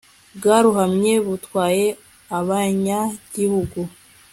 bwarohamye butwaye abanya gihugu